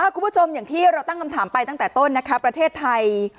คุณผู้ชมอย่างที่เราตั้งคำถามไปตั้งแต่ต้นนะคะประเทศไทย